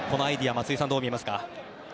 松井さん、どう見ますか。